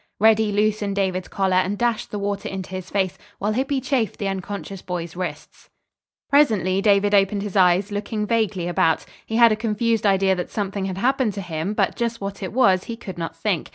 Reddy loosened David's collar and dashed the water into his face; while Hippy chafed the unconscious boy's wrists. Presently David opened his eyes, looking vaguely about. He had a confused idea that something had happened to him, but just what it was he could not think.